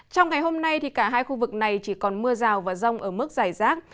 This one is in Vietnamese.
trong ngày hôm nay cả hai khu vực này chỉ còn mưa rào và rông ở mức dài rác